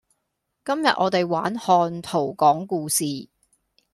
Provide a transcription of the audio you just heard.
今日我哋玩看圖講故事